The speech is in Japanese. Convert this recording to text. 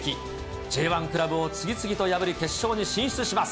Ｊ１クラブを次々と破り、決勝に進出します。